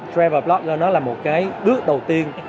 travel blogger nó là một cái bước đầu tiên